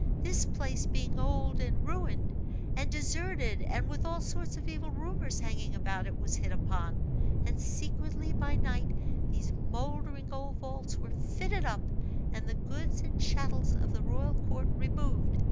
This place being old and ruined, and deserted and with all sorts of evil rumors hanging about it, was hit upon; and secretly, by night, these mouldering old vaults were fitted up, and the goods and chattels of the royal court removed.